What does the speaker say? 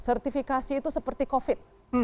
sertifikasi itu seperti covid